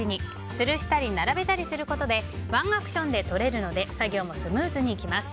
つるしたり並べたりすることでワンアクションでとれるので作業もスムーズにいきます。